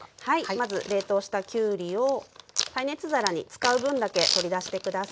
まず冷凍したきゅうりを耐熱皿に使う分だけ取り出して下さい。